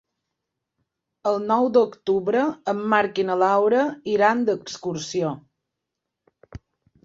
El nou d'octubre en Marc i na Laura iran d'excursió.